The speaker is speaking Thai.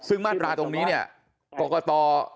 ซึ่งมาตราตรงนี้เนี่ยกรกต